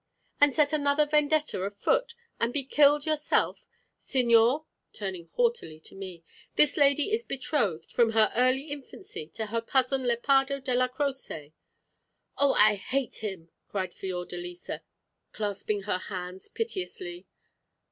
"And set another Vendetta afoot, and be killed yourself! Signor" turning haughtily to me "this lady is betrothed, from her early infancy, to her cousin Lepardo Della Croce." "Oh, I hate him," cried Fiordalisa, clasping her hands piteously.